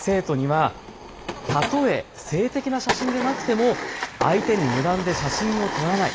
生徒にはたとえ性的な写真でなくても相手に無断で写真を撮らない。